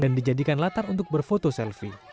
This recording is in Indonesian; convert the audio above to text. dan dijadikan latar untuk berfoto selfie